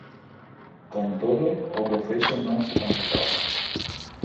Con todo, o proceso non se completou.